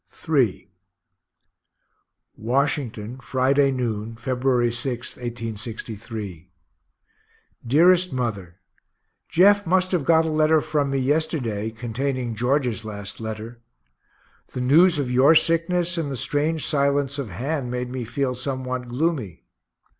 III Washington, Friday noon, February 6, 1863. DEAREST MOTHER Jeff must have got a letter from me yesterday, containing George's last letter. The news of your sickness and the strange silence of Han made me feel somewhat gloomy.